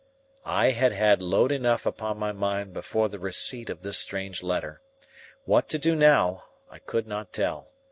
I had had load enough upon my mind before the receipt of this strange letter. What to do now, I could not tell.